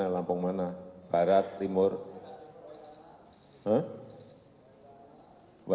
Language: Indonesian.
sampai pekanbaru oke